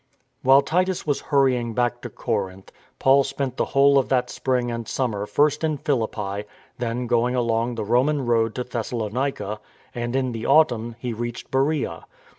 . While Titus was hurrying back to Corinth, Paul spent the whole of that spring and summer first in Philippi, then going along the Roman road to Thes salonica, and in the autumn he reached Beroea.